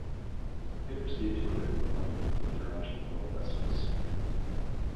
It received critical acclaim from international film festivals.